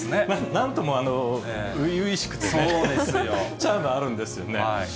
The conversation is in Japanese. なんとも初々しくてね、チャームあるんですよね。